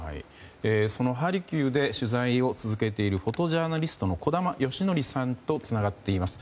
そのハルキウで取材を続けているフォトジャーナリストの児玉さんとつながっています。